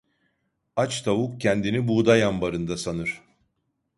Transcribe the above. Aç tavuk kendini buğday ambarında sanır.